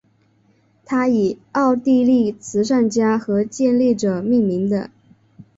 它以奥地利慈善家和建立者命名的。